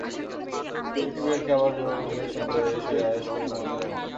দু-একটি বিড়ালকে আবার রোগীদের শয্যায় শুয়ে আয়েশ করে ঘুমাতেও দেখা যায়।